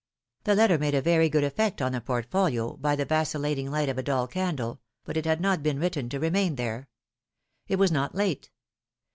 The letter made a very good effect on the portfolio, by philomI:ne's marriages. 309 the vacillating light of a dull candle, but it had not been written to remain there. It was not late.